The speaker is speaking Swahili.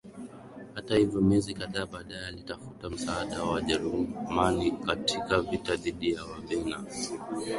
Hata hivyo miezi kadhaa baadaye alitafuta msaada wa Wajerumani katika vita dhidi ya Wabena